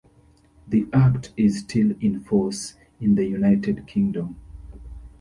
The Act is still in force in the United Kingdom.